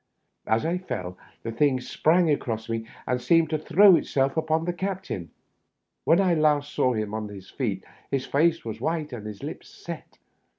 As I fell the thing sprang across me, and Seemed to throw itseK upon the captain. When I last saw him on his feet his face was white and his lips set.